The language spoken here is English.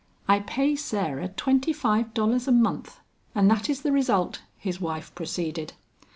"I pay Sarah twenty five dollars a month and that is the result," his wife proceeded.